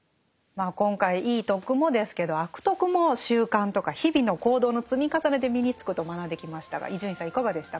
今回いい「徳」もですけど「悪徳」も習慣とか日々の行動の積み重ねで身につくと学んできましたが伊集院さんいかがでしたか？